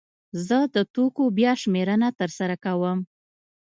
زه د توکو بیا شمېرنه ترسره کوم.